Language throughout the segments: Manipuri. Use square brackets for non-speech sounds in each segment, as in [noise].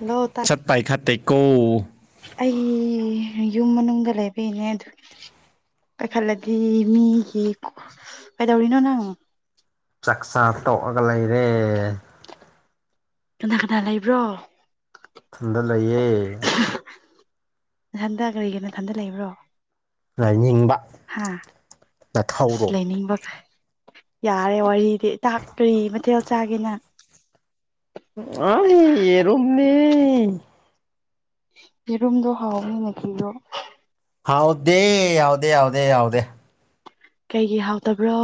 ꯍꯜꯂꯣ ꯇꯥꯏ ꯆꯠꯄꯥꯏꯈꯥ ꯇꯦꯛꯀꯣ ꯑꯩ ꯌꯨꯝ ꯃꯅꯨꯡꯗ ꯂꯩꯕꯅꯦ ꯑꯗꯨ ꯄꯥꯏꯈꯠꯂꯗꯤ ꯃꯤꯒꯤ ꯀꯩꯗꯧꯔꯤꯅꯣ ꯅꯪ ꯆꯥꯛꯆꯥ ꯇꯣꯛꯑꯒ ꯂꯩꯔꯦ ꯀꯅꯥ ꯀꯅꯥ ꯂꯩꯕ꯭ꯔꯣ ꯏ ꯊꯟꯗ ꯂꯩꯌꯦꯦ ꯏꯊꯟꯗ ꯀꯔꯤꯒꯤꯅꯣ ꯏꯊꯟꯗ ꯂꯩꯕ꯭ꯔꯣ ꯑꯅꯤꯕ ꯍꯥ ꯑ ꯂꯩꯅꯤꯡꯕ ꯐ ꯌꯥꯔꯦ ꯋꯥꯔꯤ ꯗꯤꯇꯥꯛ ꯀꯔꯤ ꯃꯊꯦꯜ ꯆꯥꯒꯦꯅ ꯑꯩ ꯑꯦꯔꯝꯅꯤ ꯌꯦꯔꯨꯝꯗ ꯍꯥꯎꯃꯤ ꯅꯈꯜꯂꯣ ꯍꯥꯎꯗ ꯌꯥꯥꯎꯗ ꯌꯥꯥꯎꯗ ꯌꯥꯥꯎꯗ ꯀꯩꯒꯤ ꯍꯥꯎꯇꯕ꯭ꯔꯣ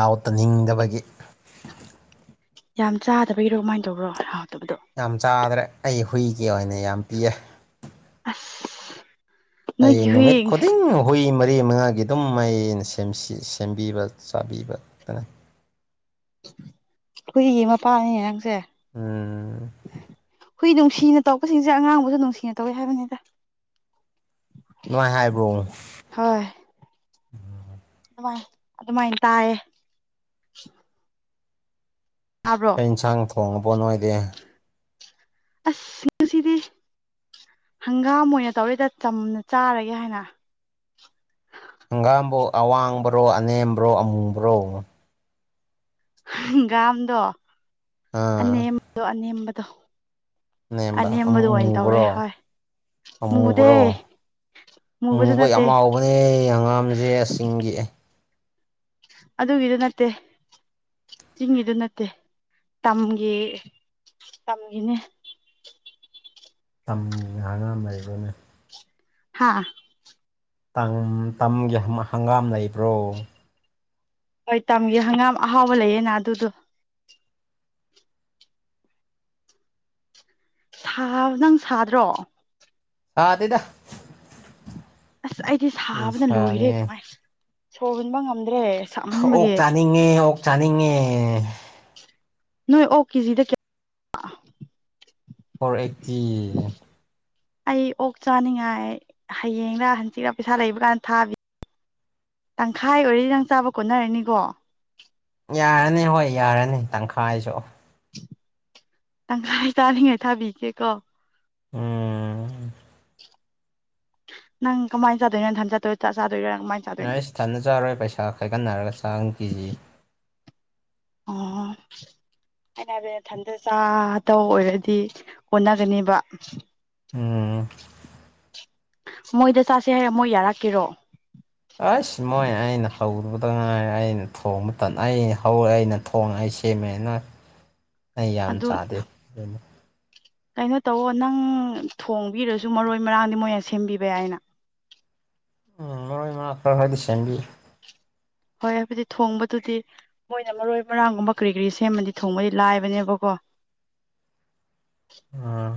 ꯑꯥꯎꯠꯇꯅꯤꯡꯗꯕꯒꯤ ꯌꯥꯝ ꯆꯥꯗꯕꯒꯤꯔꯣ ꯀꯃꯥꯏꯅ ꯇꯧꯕ꯭ꯔꯣ ꯍꯥꯎꯇꯕꯗꯣ ꯌꯥꯝ ꯆꯥꯗ꯭ꯔꯦ ꯑꯩ ꯍꯨꯏꯒꯤ ꯑꯣꯏꯅ ꯌꯥꯝ ꯄꯤꯑꯦ ꯑꯁ ꯑꯩ ꯅꯣꯏꯒꯤ ꯍꯨꯏ ꯅꯨꯃꯤꯠ ꯈꯗꯤ ꯍꯃꯗ ꯇꯔꯤ ꯃꯉꯥꯒꯤ ꯑꯗꯨꯝ ꯃꯩꯅ ꯁꯦꯝꯕꯤꯕ ꯆꯥꯕꯤꯕꯇꯅ ꯑꯩꯈꯣꯏꯒꯤ ꯃꯄꯥꯅꯤ ꯅꯪꯁꯦ ꯎꯝ ꯍꯨꯏ ꯅꯨꯡꯁꯤꯅ ꯇꯧꯔꯛꯄꯁꯤꯡꯁꯦ ꯑꯉꯥꯡꯕꯨꯁꯨ ꯅꯨꯡꯁꯤꯅ ꯇꯧꯋꯤ ꯍꯥꯏꯕꯅꯤꯗ ꯅꯨꯡꯥꯏ ꯍꯥꯏꯕ꯭ꯔꯣ ꯍꯣꯏ ꯑꯗꯨꯃꯥꯏꯅ ꯇꯥꯏꯌꯦ ꯇꯥꯕ꯭ꯔꯣ ꯆ ꯏꯟꯁꯥꯡ ꯊꯣꯡꯉꯕꯣꯠ ꯅꯣꯏꯗꯤꯦ ꯑꯁꯁꯤꯗꯤ ꯍꯪꯒꯥꯝ ꯑꯣꯏꯅ ꯇꯧꯔꯤꯗ ꯆꯝꯅ ꯆꯥꯔꯒꯦ ꯍꯥꯏꯅ ꯍꯪꯒꯥꯝꯕꯨꯣ ꯑꯋꯥꯡꯕ꯭ꯔꯣ ꯑꯅꯦꯝꯕ꯭ꯔꯣ ꯑꯃꯨꯕ꯭ꯔꯣ ꯍꯪꯒꯥꯝꯗꯣ ꯑꯥ ꯑꯅꯦꯝꯕꯗꯣ ꯑꯅꯦꯝꯕꯗꯣ ꯅꯦꯝꯕ ꯑꯅꯦꯝꯕꯗꯣ ꯑꯣꯏꯅ ꯇꯧꯔꯦ ꯑꯃꯨꯕ꯭ꯔꯣ ꯍꯣꯏ ꯃꯨꯗꯦ ꯑꯃꯨꯕ꯭ꯔꯣ ꯃꯨꯕꯁꯨ ꯃꯨꯕ ꯅꯠꯇꯦ ꯌꯥꯝ ꯍꯥꯎꯕꯅꯦ ꯑꯪꯉꯥꯝꯁꯦ ꯆꯤꯡꯑ ꯑꯗꯨꯗ ꯏꯗ ꯅꯠꯇꯦ ꯆꯤꯡꯒꯤꯗꯨ ꯅꯠꯇꯦ ꯇꯝꯒꯤ ꯇꯝꯒꯤꯅꯦ ꯇ ꯍꯥꯏꯅꯥꯡ ꯂꯩꯕꯅꯦ ꯍꯥꯥ ꯇꯒꯤ ꯍꯪꯒꯥꯝ ꯂꯩꯕ꯭ꯔꯣ ꯍꯣꯏ ꯇꯝꯒꯦ ꯍꯪꯒꯥꯝ ꯑꯍꯥꯎꯕ ꯂꯩꯌꯦꯅ ꯑꯗꯨꯗꯣ ꯅꯪ ꯁꯥꯗ꯭ꯔꯣ ꯍꯥꯥꯇꯩꯗ ꯑꯁ ꯑꯩꯗꯤ ꯁꯥꯕꯅ ꯂꯣꯏꯔꯦ ꯀꯃꯥꯏꯅ ꯁꯣꯟꯍꯣꯟꯕ ꯉꯝꯗ ꯑꯣꯛ ꯆꯥꯅꯤꯡꯉꯦ ꯑꯣꯛ ꯆꯥꯅꯤꯡꯉꯦ ꯅꯣꯏ ꯑꯣ ꯀꯦꯖꯤꯗ ꯀꯌꯥ ꯍꯔ ꯑꯦ ꯑꯩ ꯑꯣꯛ ꯆꯥꯅꯤꯡꯉꯥꯏ ꯍꯌꯦꯡꯔ ꯍꯪꯆꯤꯛꯔꯥ ꯄꯩꯁꯥ ꯂꯩꯕ ꯀꯥꯟꯗ ꯊꯥꯕꯤ ꯇꯪꯈꯥꯏ ꯑꯣꯏꯔꯗꯤ ꯅꯪ ꯆꯥꯕ ꯀꯣꯠꯅꯔꯅꯤꯀꯣ ꯌꯥꯔꯅꯤ ꯍꯣꯏ ꯌꯥꯔꯅꯤ ꯇꯪꯈꯥꯏꯁꯨ ꯇꯪꯈꯥꯏ ꯇꯥꯔꯤꯉꯥꯏ ꯊꯥꯕꯤꯒꯦꯀꯣ ꯎꯝ ꯅꯪ ꯀꯃꯥꯏꯅ ꯆꯗ ꯅ ꯊꯟ ꯆ ꯆ ꯆ ꯑꯩ ꯏꯁ ꯊꯅ ꯆꯥꯔꯣꯏ ꯄꯩꯁꯥ ꯈꯥꯏꯒꯠꯟꯅꯔꯒ ꯆꯥꯡ ꯀꯦꯖꯤ ꯑ ꯑꯩꯅ ꯍꯥꯏꯕ ꯏꯊꯟꯗ ꯆꯥꯗ ꯑꯣꯏꯔꯗꯤ ꯍꯅꯒꯅꯦꯕ ꯎꯝ ꯃꯣꯏꯗ ꯆꯁꯤꯦ ꯍꯥꯏꯔ ꯃꯣꯏ ꯌꯥꯔꯛꯀꯦꯔꯣ ꯑꯩꯁ ꯃꯣꯏ ꯑꯩꯅ ꯍꯧꯔꯨꯕꯗ ꯉꯥꯏ ꯑꯩꯅ ꯊꯣꯡꯕ ꯃꯇꯝ ꯑꯩꯅ ꯍꯧꯔꯦ ꯑꯩꯅ ꯊꯣꯡꯉ ꯁꯦꯝꯃꯦꯅ ꯑꯩ ꯌꯥꯝ ꯑꯗꯨ ꯆꯥꯗꯦ ꯑꯗꯨꯅ ꯀꯩꯅꯣ ꯇꯧꯑꯣ ꯅꯪ ꯊꯣꯡꯕꯤꯔꯁꯨ ꯃꯔꯣꯏ ꯃꯔꯥꯡꯗꯤ ꯃꯣꯏꯅ ꯁꯦꯝꯕꯤꯕ ꯌꯥꯏꯅ ꯎꯝ ꯃꯔꯣꯏ ꯃ ꯈꯔ ꯍꯥꯏꯗꯤ ꯁꯦꯝꯕꯤ ꯍꯣꯏ ꯍꯥꯏꯕꯗꯤ ꯊꯣꯡꯕꯗꯨꯗꯤ ꯃꯣꯏꯅ ꯃꯔꯣꯏ ꯃꯔꯥꯡꯒꯨꯝꯕ ꯀꯔꯤ ꯀꯔꯤ ꯁꯦꯝꯃꯗꯤ ꯊꯣꯡꯕꯗꯤ ꯂꯥꯏꯕꯅꯦꯕꯀꯣ ꯑꯥ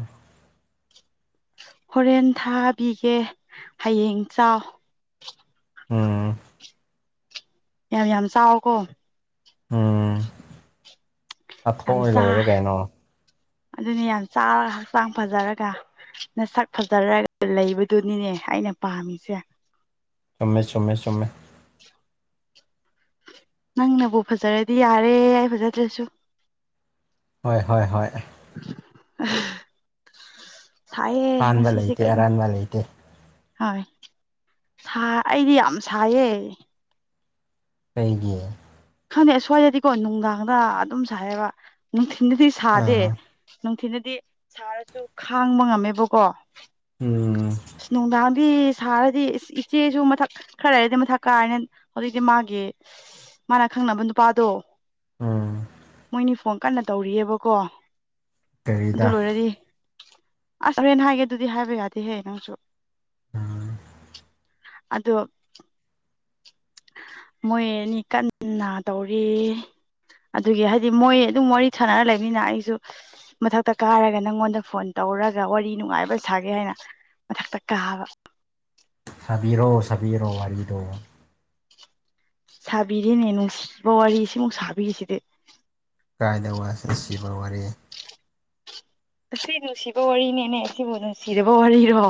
ꯍꯣꯔꯦꯟ ꯊꯥꯕꯤꯒꯦ ꯍꯌꯦꯡ ꯆꯥꯎ ꯎꯝ ꯌꯥꯝ ꯌꯥꯝ ꯆꯥꯎꯀꯣ ꯎꯝ ꯑꯊꯣꯛꯉꯗ ꯑꯣꯏꯔꯦ ꯀꯩꯅꯣ ꯑꯗꯨꯅꯤ ꯌꯥꯝ ꯆꯥꯔ ꯍꯛꯆꯥꯡ ꯐꯖꯔꯒ ꯅ ꯁꯛ ꯐꯖꯔꯒ ꯂꯩꯕꯗꯨꯅꯤꯅꯦ ꯑꯩꯅ ꯄꯥꯝꯃꯤꯁꯦ ꯆꯨꯝꯃꯦ ꯆꯨꯝꯃꯦ ꯆꯨꯝꯃꯦ ꯅꯪꯅꯕꯨ ꯐꯖꯔꯗꯤ ꯌꯥꯔꯦ ꯑꯩ ꯐꯖꯗ꯭ꯔꯁꯨ ꯍꯣꯏ ꯍꯣꯏ ꯍꯣꯏ ꯁꯥꯏꯌꯦꯦ ꯑꯔꯥꯟꯕ ꯉꯁꯤꯁꯦ ꯂꯩꯇꯦ ꯀꯩꯅꯣ ꯑꯔꯥꯟꯕ ꯂꯩꯇꯦ ꯍꯣꯏ ꯑꯩꯗꯤ ꯌꯥꯝ ꯁꯥꯏꯌꯦ ꯀꯩꯒꯤ ꯈꯪꯉꯦ ꯑꯁ꯭ꯋꯥꯏꯗꯗꯤꯀꯣ ꯅꯨꯡꯗꯥꯡꯗ ꯑꯗꯨꯝ ꯁꯥꯏꯌꯦꯕ ꯅꯨꯡꯊꯤꯟꯗꯗꯤ ꯁꯥꯗꯦ ꯑꯥ ꯅꯨꯡꯊꯤꯟꯗꯗꯤ ꯁꯥꯔꯁꯨ ꯈꯥꯡꯕ ꯉꯝꯃꯦꯕꯀꯣ ꯎꯝ ꯑꯁ ꯅꯨꯡꯗꯥꯡꯗꯤ ꯁꯥꯔꯗꯤ ꯏꯆꯦꯁꯨ ꯃꯊꯛ ꯈꯔ ꯍꯥꯏꯔꯗꯤ ꯃꯊꯛ ꯀꯥꯔꯅꯤ ꯍꯧꯖꯤꯛꯇꯤ ꯃꯥꯒꯤ ꯃꯥꯅ ꯈꯪꯅꯕ ꯅꯨꯄꯥꯗꯣ ꯎꯝ ꯃꯣꯏꯅꯤ ꯐꯣꯟ ꯀꯟꯅ ꯇꯧꯔꯤꯑꯕꯀꯣ ꯑꯗꯨ ꯀꯔꯤꯗ ꯂꯣꯏꯔꯗꯤ ꯑꯁ ꯍꯣꯔꯦꯟꯦꯟ ꯍꯥꯏꯒꯦ ꯑꯗꯨꯗꯤ ꯍꯥꯏꯕ ꯌꯥꯗꯦꯍꯦ ꯅꯪꯁꯨ ꯎꯝ ꯑꯗꯣ [inaudible] ꯃꯣꯏꯅꯤ ꯀꯟꯅ ꯇꯧꯔꯤ ꯑꯗꯨꯒꯤ ꯍꯥꯏꯗꯤ ꯃꯣꯏ ꯑꯗꯨꯝ ꯋꯥꯔꯤ ꯁꯥꯅꯔ ꯂꯩꯅꯤꯅ ꯑꯩꯁꯨ ꯃꯊꯛꯇ ꯀꯥꯔꯒ ꯅꯪꯉꯣꯟꯗ ꯐꯣꯟ ꯇꯧꯔꯒ ꯋꯥꯔꯤ ꯅꯨꯡꯉꯥꯏꯕ ꯁꯥꯒꯦ ꯍꯥꯏꯅ ꯃꯗꯛ ꯇꯀ ꯍꯥꯕ ꯁꯥꯕꯤꯔꯣ ꯁꯥꯕꯤꯔꯣ ꯋꯥꯔꯤꯗꯣ ꯁꯥꯕꯤꯔꯤꯅꯦ ꯅꯨꯡꯁꯤꯕ ꯋꯥꯔꯤ ꯁꯤꯃꯨꯛ ꯁꯥꯕꯤꯈꯤꯁꯤꯗꯤ ꯀꯥꯏꯗꯕ ꯁꯤꯕ ꯋꯥꯔꯤ ꯑꯁꯤ ꯅꯨꯡꯁꯤꯕ ꯋꯥꯔꯤꯅꯦꯅꯦ ꯁꯤꯕꯨ ꯅꯨꯡꯁꯤꯕ ꯋꯥꯔꯤꯔꯣ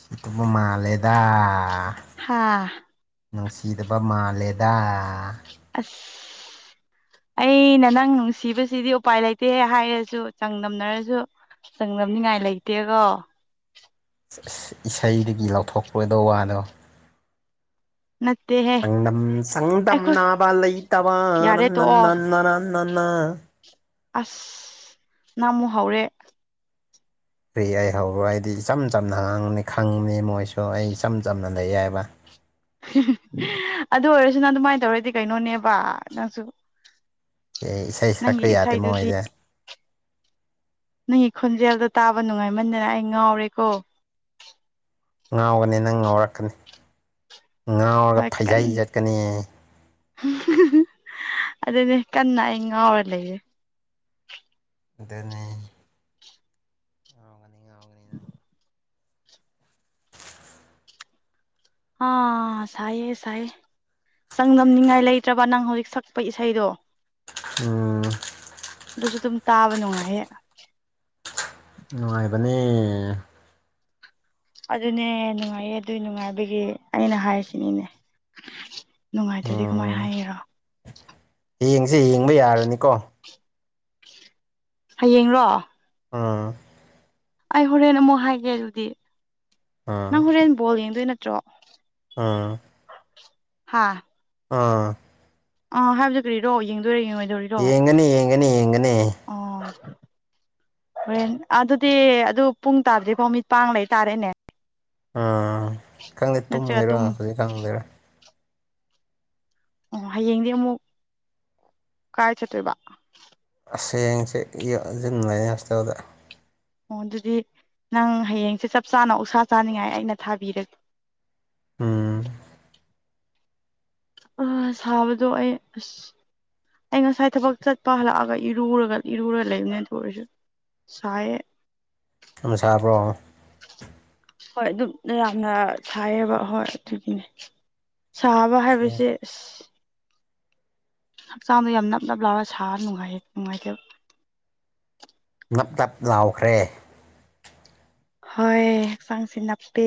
ꯁꯤꯇꯕꯨ ꯃꯥꯂꯦꯗ ꯍꯥꯥ ꯅꯨꯡꯁꯤꯗꯕ ꯃꯥꯜꯂꯦꯗ ꯑꯁ ꯑꯩꯅ ꯅꯪ ꯅꯨꯡꯁꯤꯕꯁꯤꯗꯤ ꯎꯄꯥꯏ ꯂꯩꯇꯦ ꯍꯥꯏꯔꯁꯨ ꯆꯥꯡꯗꯝꯅꯔꯁꯨ ꯆꯪꯅꯕꯅꯤꯉꯥꯏ ꯂꯩꯇꯦꯀꯣ ꯏꯁꯩꯗꯒꯤ ꯂꯧꯊꯣꯛꯄꯣꯏꯗ ꯋꯥꯅꯣ ꯅꯠꯇꯦꯍꯦ ꯁꯒꯝ ꯁꯗꯝ ꯑꯩꯈꯣꯏ ꯅꯥꯕꯂ ꯇꯋꯥ ꯅ ꯌꯥꯔꯦ ꯅ ꯅ ꯇꯣꯛꯑꯣ ꯅꯅ ꯅꯪꯅ ꯑꯁ ꯅꯅꯥꯃꯨ ꯍꯥꯎꯔꯦ ꯀꯔꯤ ꯑꯩ ꯍꯧꯔ꯭ꯔꯣ ꯑꯩꯗꯤ ꯏꯆꯝ ꯆꯝꯅ ꯍꯥꯡꯅꯤ ꯈꯪꯅꯤ ꯃꯣꯏꯁꯨ ꯑꯩ ꯏꯆꯝ ꯆꯝꯅ ꯂꯩ ꯌꯥꯏꯕ ꯑꯗꯨ ꯑꯣꯏꯔꯁꯨꯅ ꯑꯗꯨꯃꯥꯏꯅ ꯇꯧꯔꯗꯤ ꯀꯩꯅꯣꯅꯦꯕ ꯅꯪꯁꯨ ꯑꯩ ꯏꯁꯩ ꯁꯛꯄ ꯅꯪꯒꯤ ꯌꯥꯗꯦ ꯏꯁꯩꯗꯨꯗꯤ ꯃꯣꯏꯗ ꯅꯪꯒꯤ ꯈꯣꯟꯖꯦꯜꯗꯣ ꯇꯥꯕ ꯅꯨꯡꯉꯥꯏꯃꯟꯗꯅ ꯑꯩ ꯉꯥꯎꯔꯦꯀꯣ ꯉꯥꯎꯒꯅꯤ ꯅꯪ ꯉꯥꯎꯔꯛꯀꯅꯤ ꯉꯥꯎꯔꯒ ꯍꯣꯏ ꯐꯩꯖꯩ ꯀꯟꯅ ꯆꯠꯀꯅꯤ ꯑꯗꯨꯅꯦ ꯀꯟꯅ ꯑꯩ ꯉꯥꯎꯔ ꯂꯩꯔꯦ ꯑꯗꯨꯅꯤ ꯉꯥꯎꯒꯅꯤ ꯉꯥꯎꯒꯅꯤ ꯅꯪ [inaudible] ꯑꯥ ꯁꯥꯏꯌꯦ ꯁꯥꯏꯌꯦ ꯆꯥꯡꯗꯝꯅꯤꯉꯥꯏ ꯂꯩꯇ꯭ꯔꯕ ꯅꯪ ꯍꯧꯖꯤꯛ ꯁꯛꯄ ꯏꯁꯩꯗꯣ ꯎꯝ ꯑꯗꯨꯁꯨ ꯑꯗꯨꯝ ꯇꯥꯕ ꯅꯨꯡꯉꯥꯏꯍꯦ ꯅꯨꯡꯉꯥꯏꯕꯅꯤ ꯑꯗꯨꯅꯦ ꯅꯨꯡꯉꯥꯏꯌꯦ ꯑꯗꯨꯏ ꯅꯨꯡꯉꯥꯏꯕꯒꯤ ꯑꯩꯅ ꯍꯥꯏꯔꯤꯁꯤꯅꯦꯅꯦ ꯅꯨꯡꯉꯥꯏꯇ꯭ꯔꯗꯤ ꯎꯝ ꯀꯃꯥꯏꯅ ꯍꯥꯏꯔꯤꯔꯣ ꯌꯦꯡꯁꯦ ꯌꯦꯡꯕ ꯌꯥꯔꯅꯤꯀꯣ ꯍꯌꯦꯡꯔꯣ ꯑꯥ ꯑꯩ ꯍꯣꯔꯦꯟ ꯑꯃꯨꯛ ꯍꯥꯏꯒꯦ ꯑꯗꯨꯗꯤ ꯅꯪ ꯍꯣꯔꯦꯟ ꯕꯣꯜ ꯌꯦꯡꯗꯣꯏ ꯅꯠꯇ꯭ꯔꯣ ꯑꯥ ꯍꯥꯥ ꯑꯥ ꯑꯥ ꯍꯥꯏꯕꯗꯨ ꯀꯔꯤꯔꯣ ꯌꯦꯡꯗꯣꯏꯔꯦ ꯌꯦꯡꯉꯣꯏꯗꯧꯔꯤꯔꯣ ꯏꯪꯅꯤ ꯏꯒꯅꯤ ꯍꯣꯔꯦꯟ ꯑꯗꯨꯗꯤ ꯑꯗꯨ ꯄꯨꯡ ꯇꯥꯗ꯭ꯔꯤ ꯐꯥꯎ ꯃꯤꯠꯄꯥꯡ ꯂꯩꯇꯥꯥꯔꯦꯅꯦ ꯎꯝ ꯈꯪꯗꯦ ꯅꯠꯇ꯭ꯔꯒ ꯇꯨꯝꯒꯦꯔꯣ ꯇꯨꯝ ꯄꯖꯤꯛ ꯈꯪꯗꯦꯔꯥ ꯑꯣ ꯍꯌꯦꯡꯗꯤ ꯑꯃꯨꯛ ꯀꯥꯏ ꯆꯠꯇꯣꯏꯕ ꯑꯁ ꯍꯌ‌ꯦꯡꯁꯦ ꯓꯨꯟ ꯂꯩ‌ꯌ‌ꯦ ꯍꯣꯁꯇ‌ꯦꯜꯗ ꯑꯣ ꯑꯗꯨꯗꯤ ꯅꯪ ꯍꯌꯦꯡꯁꯦ ꯆꯞ ꯆꯥꯅ ꯑ‌ꯣꯛꯁꯥ ꯆꯥꯅꯤꯡꯉꯥꯏ ꯑꯩꯅ ꯊꯥꯕꯤꯔꯒꯦ ꯎꯝ ꯑ ꯁꯥꯕꯗꯣ ꯑꯩ ꯑꯁ ꯑꯩ ꯉꯁꯥꯏ ꯊꯕꯛ ꯆꯠꯄ ꯍꯜꯂꯛꯑꯒ ꯏꯔꯨꯔꯒ ꯏꯔꯨꯔꯒ ꯂꯩꯕꯅꯦꯅ ꯑꯗꯨ ꯑꯣꯏꯔꯁꯨ ꯁꯥꯏ ꯌꯦ ꯑ ꯁꯥꯕ꯭ꯔꯣ ꯍꯣꯏ ꯑꯗꯨꯝ ꯌꯥꯝꯅ ꯁꯥꯏꯌꯦꯕ ꯍꯣꯏ ꯑꯗꯨꯒꯤꯅꯦ ꯁꯥꯕ ꯑꯣꯀꯦ ꯍꯥꯏꯕꯁꯦ ꯑꯁ ꯍꯛꯆꯥꯡꯗꯣ ꯌꯥꯝ ꯅꯞ ꯅꯞ ꯂꯥꯎꯔ ꯁꯥꯔ ꯅꯨꯡꯉ ꯅꯨꯡꯉꯥꯏꯇꯕ ꯅꯞ ꯅꯞ ꯂꯥꯎꯈ꯭ꯔꯦ ꯍꯣꯏ ꯍꯛꯆꯥꯡ ꯁꯦ ꯅꯞ ꯄꯦ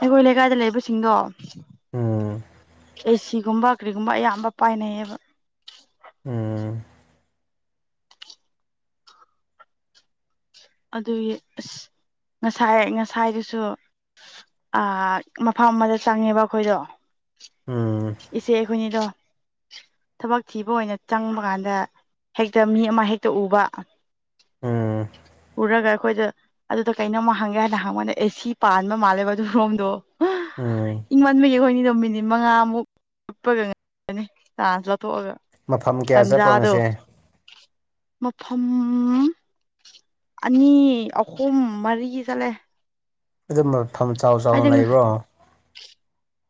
ꯑꯩꯈꯣꯏ ꯂꯩꯀꯥꯏꯗ ꯂꯩꯕꯁꯤꯡꯗꯣ ꯎꯝ ꯑꯦꯁꯤꯒꯨꯝꯕ ꯀꯔꯤꯒꯨꯝꯕ ꯑꯌꯥꯝꯕ ꯄꯥꯏꯅꯩꯌꯦꯕ ꯎꯝ ꯑꯗꯨꯒꯤ ꯑꯁ ꯉꯁꯥꯏ ꯉꯁꯥꯏꯗꯨꯁꯨ ꯑ ꯃꯐꯝ ꯑꯃꯗ ꯆꯪꯉꯦꯕ ꯑꯩꯈꯣꯏꯗꯣ ꯎꯝ ꯏꯆꯦ ꯑꯩꯈꯣꯏꯅꯤꯗꯣ ꯊꯕꯛ ꯊꯤꯕ ꯑꯣꯏꯅ ꯆꯪꯕ ꯀꯥꯟꯗ ꯍꯦꯛꯇ ꯃꯤ ꯑꯃ ꯍꯦꯛꯇ ꯎꯕ ꯎꯝ ꯄꯨꯔꯒ ꯑꯩꯈꯣꯏꯗ ꯑꯗꯨꯗ ꯀꯩꯅꯣꯝꯃ ꯍꯪꯒꯦ ꯍꯥꯏꯅ ꯍꯪꯕꯗ ꯑꯦꯁꯤ ꯄꯥꯟꯕ ꯃꯥꯜꯂꯦꯕ ꯑꯗꯨꯔꯣꯝꯗꯣ ꯎꯝ ꯏꯪ ꯃꯟꯕꯒꯤ ꯑꯩꯈꯣꯏꯅꯤꯗꯣ ꯃꯤꯅꯤꯠ ꯃꯉꯥꯃꯨꯛꯄꯒ ꯉꯅꯤ ꯊꯣꯛꯑꯒ ꯃꯐꯝ ꯀꯌꯥ ꯆꯠꯄ꯭ꯔꯣ ꯇꯟꯖꯥꯗꯣ ꯉꯁꯤ ꯃꯐꯝ ꯑꯅꯤ ꯑꯍꯨꯝ ꯃꯔꯤ ꯆꯠꯂꯦ ꯑꯗꯨ ꯃꯐꯝ ꯆꯥꯎ ꯆꯥꯎꯅ ꯍꯥꯏꯗꯤ ꯂꯩꯕ꯭ꯔꯣ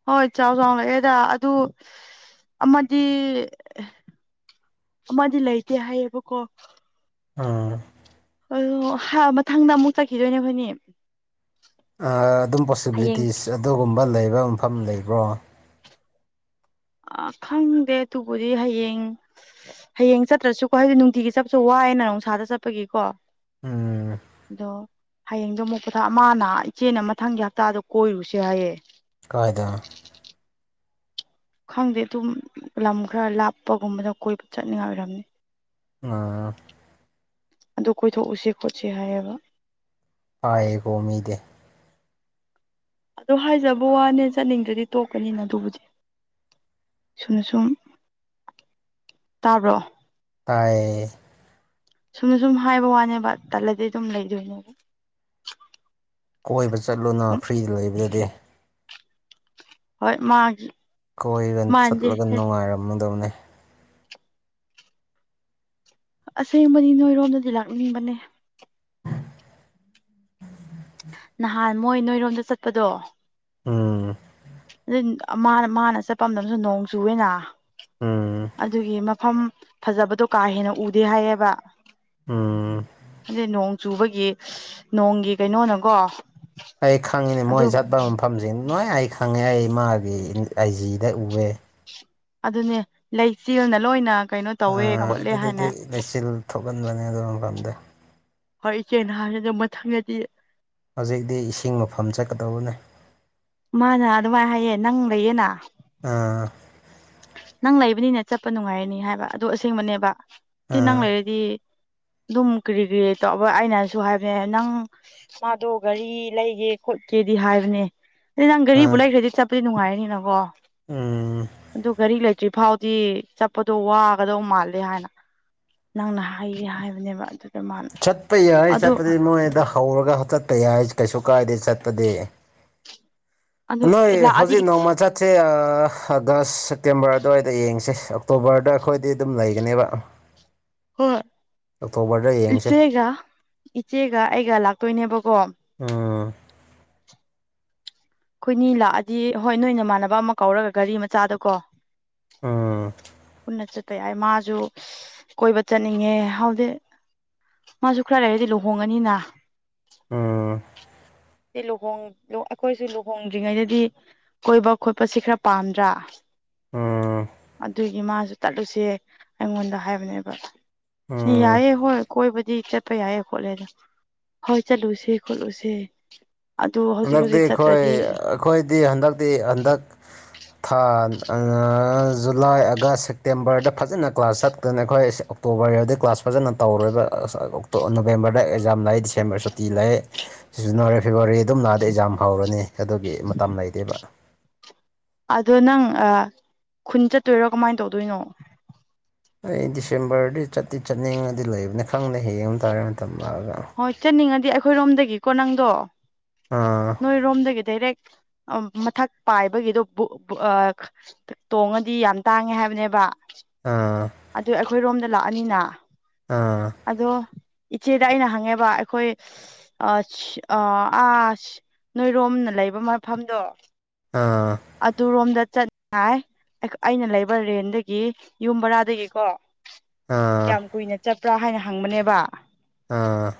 ꯍꯣꯏ ꯆꯥꯎ ꯆꯥꯎ ꯂꯩꯑꯦꯗ ꯑꯗꯨ ꯑꯃꯗꯤ ꯑꯃꯗꯤ ꯂꯩꯇꯦ ꯍꯥꯏꯌꯦꯕꯀꯣ ꯎꯝ ꯑ ꯃꯊꯪꯗ ꯑꯃꯨꯛ ꯆꯠꯈꯤꯗꯣꯏꯅꯦ ꯑꯩꯈꯣꯏꯅꯦ ꯑꯗꯨꯝ ꯄꯣꯁꯤꯕꯤꯂꯤꯇꯤꯁ ꯑꯗꯨꯒꯨꯝꯕ ꯂꯩꯕ ꯃꯐꯝ ꯂꯩꯕ꯭ꯔꯣ ꯑ ꯈꯪꯗꯦ ꯑꯗꯨꯕꯨꯗꯤ ꯍꯌꯦꯡ ꯍꯌꯦꯡ ꯆꯠꯇ꯭ꯔꯁꯨꯀꯣ ꯍꯥꯏꯗꯤ ꯅꯨꯡꯇꯤꯒꯤ ꯆꯠꯄꯁꯨ ꯋꯥ ꯋꯥꯏ ꯅꯥ ꯅꯨꯡꯁꯥꯗ ꯆꯠꯄꯒꯤꯀꯣ ꯎꯝ ꯑꯗꯣ ꯍꯌꯦꯡꯗꯣ ꯑꯃꯨꯛꯀꯊꯥ ꯃꯥꯅ ꯏꯆꯦꯅ ꯃꯊꯪꯒꯤ ꯍꯞꯇꯥꯗꯣ ꯀꯣꯏꯔꯨꯁꯦ ꯍꯥꯏꯌꯦ ꯀꯥꯏꯗ ꯈꯪꯗꯦ ꯑꯗꯨꯝ ꯂꯝ ꯈꯔ ꯂꯥꯞꯄꯒꯨꯝꯕꯗ ꯀꯣꯏꯕ ꯆꯠꯅꯤꯡꯉꯥꯏ ꯑꯣꯏꯔꯝꯅꯤ ꯑꯥ ꯑꯗꯨ ꯀꯣꯏꯊꯣꯛꯎꯁꯦ ꯈꯣꯠꯁꯦ ꯍꯥꯏꯌꯦꯕ ꯄꯥꯏꯌꯦꯒꯣꯃꯤꯗ ꯑ ꯍꯥꯏꯖꯕ ꯋꯥꯅꯦ ꯆꯠꯅꯤꯡꯗ꯭ꯔꯗꯤ ꯇꯣꯛꯀꯅꯤꯅ ꯑꯗꯨꯕꯨꯗꯤ ꯁꯨꯝꯅ ꯁꯨꯝ ꯇꯥꯕ꯭ꯔꯣ ꯇꯥꯏ ꯁꯨꯝꯅ ꯁꯨꯝ ꯍꯥꯏꯕ ꯋꯥꯅꯦꯕ ꯇꯜꯂꯗꯤ ꯑꯗꯨꯝ ꯂꯩꯗꯣꯏꯅꯦꯕ ꯀꯣꯏꯕ ꯆꯠꯂꯨꯅ ꯎꯝ ꯐ꯭ꯔꯤꯗ ꯂꯩꯕꯗꯗꯤ ꯍꯣꯏ ꯃꯥꯒꯤ ꯀꯣꯏꯒ ꯃꯥꯟꯗꯦ ꯆꯠꯂꯒ ꯅꯨꯡꯉꯥꯏꯔꯝꯒꯗꯕꯅꯤ ꯑꯁꯦꯡꯕꯗꯤ ꯅꯣꯏꯔꯣꯝꯗꯗꯤ ꯂꯥꯛꯅꯤꯡꯕꯅꯦ ꯅꯍꯥꯟ ꯃꯣꯏ ꯅꯣꯏꯔꯣꯝꯗ ꯆꯠꯄꯗꯣ ꯎꯝ ꯑꯗꯨ ꯃꯥ ꯃꯥꯅ ꯆꯠꯄ ꯃꯇꯝꯗꯝꯁꯨ ꯅꯣꯡ ꯆꯨꯋꯦꯅ ꯎꯝ ꯑꯗꯨꯒꯤ ꯃꯐꯝ ꯐꯖꯕꯗꯣ ꯀꯥ ꯍꯦꯟꯅ ꯎꯗꯦ ꯍꯥꯏꯌꯦꯕ ꯎꯝ ꯑꯗꯨꯗꯤ ꯅꯣꯡ ꯆꯨꯕꯒꯤ ꯅꯣꯡꯒꯤ ꯀꯩꯅꯣꯅꯀꯣ ꯑꯩ ꯈꯪꯉꯤꯅꯦ ꯑꯗꯨ ꯃꯣꯏ ꯆꯠꯄ ꯃꯐꯝꯁꯤ ꯅꯣꯏ ꯑꯩ ꯈꯪꯉꯦ ꯑꯩ ꯃꯥꯥꯒꯤ ꯑꯥꯏꯖꯤꯗ ꯎꯑꯦ ꯑꯗꯨꯅꯦ ꯂꯩꯆꯦꯜꯅ ꯂꯣꯏꯅ ꯀꯩꯅꯣ ꯇꯧꯋꯦ ꯈꯣꯠꯂꯦ ꯍꯥꯏꯅ ꯄꯟꯕꯅꯦ ꯑꯗꯨꯝ ꯄꯝꯗꯦ ꯍꯣꯏ ꯏꯆꯦ ꯅꯍꯥꯟ ꯑꯗꯨ ꯃꯊꯪꯒꯗꯤ ꯍꯧꯖꯤꯛꯇꯤ ꯏꯁꯤꯡ ꯃꯐꯝ ꯆꯠꯀꯗꯧꯕꯅꯦ ꯃꯥꯅ ꯑꯗꯨꯃꯥꯏꯅ ꯍꯥꯏꯌꯦ ꯅꯪ ꯂꯩꯌꯦꯅ ꯑꯥ ꯅꯪ ꯂꯩꯕꯅꯤꯅꯦ ꯆꯠꯄ ꯅꯨꯡꯉꯥꯏꯔꯅꯤ ꯍꯥꯏꯕ ꯑꯗꯨꯗꯣ ꯑꯁꯦꯡꯕꯅꯦꯕ ꯁꯤ ꯅꯪ ꯑꯥ ꯂꯩꯔꯗꯤ ꯑꯗꯨꯝ ꯀꯔꯤ ꯀꯔꯤ ꯇꯧꯕ ꯑꯩꯅꯁꯨ ꯍꯥꯏꯕꯅꯦ ꯅꯪ ꯃꯥꯗꯣ ꯒꯥꯔꯤ ꯂꯩꯒꯦ ꯈꯣ ꯦꯗꯤ ꯍꯥꯏꯕꯅꯦ ꯑꯗ ꯅꯪ ꯒꯥꯔꯤꯕꯨ ꯑꯥ ꯂꯩꯈ꯭ꯔꯗꯤ ꯆꯠꯄꯗꯤ ꯅꯨꯡꯉꯥꯏꯔꯅꯤꯅꯀꯣ ꯎꯝ ꯑꯗꯨ ꯒꯥꯔꯤ ꯂꯩꯇ꯭ꯔꯤ ꯐꯥꯎꯗꯤ ꯆꯠꯄꯗꯣ ꯋꯥꯒꯗꯧ ꯃꯥꯜꯂꯦ ꯍꯥꯏꯅ ꯅꯪꯅ ꯍꯥꯏꯒ ꯍꯥꯏꯕꯅꯦꯕ ꯑꯗꯨ ꯃꯥꯅ ꯆꯠꯄ ꯌꯥꯏ ꯆꯠꯄꯗꯤ ꯃꯣꯏꯗ ꯍꯧꯔꯒ ꯆꯠꯄ ꯌꯥꯏ ꯀꯩꯁꯨ ꯀꯥꯏꯗꯦ ꯆꯠꯄꯗꯤ ꯑꯗꯨ ꯅꯣꯏ ꯂꯥꯛꯑꯗꯤ ꯍꯧꯖꯤꯛ ꯅꯃꯥꯁꯥꯁꯦ ꯑ ꯗꯁ ꯁꯦꯞꯇꯦꯦꯝꯕꯔ ꯑꯗꯨꯋꯥꯏꯗ ꯌꯦꯡꯁꯦ ꯑꯣꯛꯇꯣꯕꯔꯗ ꯑꯩꯈꯣꯏꯗꯤ ꯑꯗꯨꯝ ꯂꯩꯒꯅꯦꯕ ꯍꯣꯏ ꯑꯣꯛꯇꯣꯕꯔꯗ ꯌꯦꯡꯁꯦ ꯏꯆꯦꯒ ꯏꯆꯦꯒ ꯑꯩꯒ ꯂꯥꯛꯇꯣꯏꯅꯦꯕꯀꯣ ꯎꯝ ꯑꯩꯈꯣꯏꯅꯤ ꯂꯥꯛꯑꯗꯤ ꯍꯣꯏ ꯅꯣꯏ ꯏꯃꯥꯟꯅꯕ ꯑꯃ ꯀꯧꯔꯒ ꯒꯥꯔꯤ ꯃꯆꯥꯗ ꯀꯣ ꯎꯝ ꯎ ꯀ ꯍꯥꯏ ꯃꯥꯁꯨ ꯀꯣꯏꯕ ꯆꯠꯅꯤꯡꯉꯦ ꯍꯧꯗꯤ ꯃꯥꯁꯨ ꯈꯔ ꯂꯩꯔꯗꯤ ꯂꯨꯍꯣꯡꯉꯅꯤꯅ ꯎꯝ ꯂꯨꯍ ꯑꯩꯈꯣꯏꯁꯨ ꯂꯨꯍꯣꯡꯗ꯭ꯔꯤꯉꯩꯗꯗꯤ ꯀꯣꯏꯕ ꯈꯣꯠꯄꯁꯤ ꯈꯔ ꯄꯥꯝꯗ꯭ꯔꯥ ꯎꯝ ꯑꯗꯨꯒꯤ ꯃꯥꯁꯨ ꯇꯠꯂꯨꯁꯦ ꯑꯩꯉꯣꯟꯗ ꯍꯥꯏꯕꯅꯦꯕ ꯎꯝ ꯌꯥꯏꯑ ꯍꯣꯏ ꯀꯣꯏꯕꯨꯗꯤ ꯆꯠꯄ ꯌꯥꯏꯌꯦ ꯈꯣꯠꯂꯦꯗ ꯍꯣꯏ ꯆꯠꯂꯨꯁꯦ ꯈꯣꯠꯂꯨꯁꯦ ꯑꯗꯨ ꯍꯧꯖꯤꯛ ꯍꯟꯗꯛꯇꯤ ꯍꯧꯖꯤꯛ ꯑꯩꯈꯣꯏ ꯆꯠꯇ꯭ꯔꯗꯤ ꯑꯩꯈꯣꯏꯗꯤ ꯍꯟꯗꯛꯇꯤ ꯍꯟꯗꯛ ꯊꯥ ꯖꯨꯂꯥꯏ ꯑꯥꯒꯁ ꯁꯦꯞꯇꯦꯝꯕꯔꯗ ꯐꯖꯅ ꯀ꯭ꯂꯥꯁ ꯆꯠꯀꯅ ꯑꯩꯈꯣꯏ ꯑꯣꯛꯇꯣꯕꯔ ꯋꯥꯔꯤ ꯋꯥꯗꯤꯩ ꯀ꯭ꯂꯥꯁ ꯐꯖꯅ ꯇꯧꯔꯣꯏꯕ ꯅꯣꯕꯦꯝꯕꯔꯗ ꯑꯦꯛꯖꯥꯝ ꯂꯩ ꯗꯤꯁꯦꯝꯕꯔ ꯁꯨꯇꯤ ꯂꯩ ꯖꯅꯋꯥꯔꯤ ꯐꯦꯕꯋꯥꯔꯤ ꯑꯗꯨꯝ ꯂꯥꯛꯑꯗ ꯑꯦꯛꯖꯥꯝ ꯐ ꯍꯧꯔꯅꯤ ꯑꯗꯨꯒꯤ ꯃꯇꯝ ꯂꯩꯇꯦꯕ ꯑꯗꯣ ꯅꯪ ꯈꯨꯟ ꯆꯠꯇꯣꯏꯔꯣ ꯀꯃꯥꯏꯅ ꯇꯧꯗꯣꯏꯅꯣ ꯑꯩ ꯗꯤꯁꯦꯝꯕꯔꯗꯤ ꯆꯠꯇꯤ ꯆꯠꯅꯤꯡꯉꯗꯤ ꯂꯩꯕꯅꯦ ꯈꯪꯗꯦ ꯍꯡꯉꯕ ꯇꯥꯔ ꯃꯇꯝꯗ ꯍꯣꯏ ꯆꯠꯅꯤꯡꯉꯗꯤ ꯑꯩꯈꯣꯏꯔꯣꯝꯗꯒꯤꯀꯣ ꯅꯪꯗꯣ ꯑꯥ ꯅꯣꯏꯔꯣꯝꯗꯒꯤ ꯗꯥꯏꯔꯦꯛ ꯃꯊꯛ ꯄꯥꯏꯕꯒꯤꯗꯣ ꯇꯣꯡꯉꯗꯤ ꯌꯥꯝ ꯇꯥꯡꯉꯦ ꯍꯥꯏꯕꯅꯦꯕ ꯑꯥ ꯑꯗꯨ ꯑꯩꯈꯣꯏ ꯔꯣꯝꯗ ꯂꯥꯛꯑꯅꯤꯅ ꯑꯥ ꯑꯗꯣ ꯏꯆꯦꯗ ꯑꯩꯅ ꯍꯪꯉꯦꯕ ꯑꯩꯈꯣꯏ ꯑ ꯅꯣꯏꯔꯣꯝꯅ ꯂꯩꯕ ꯃꯐꯝꯗꯣ ꯑꯥ ꯑꯗꯨ ꯔꯣꯝꯗ ꯆꯠꯅꯤꯡꯉꯥꯏ ꯑꯩꯅ ꯂꯩꯕ ꯔꯦꯟꯗꯒꯤ ꯌꯨꯝ ꯕꯔꯥꯗꯒꯤꯀꯣ ꯑꯥ ꯀꯌꯥꯝ ꯀꯨꯏꯅ ꯆꯠꯄ꯭ꯔꯥ ꯍꯥꯏꯅ ꯍꯪꯕꯅꯦꯕ ꯑꯥ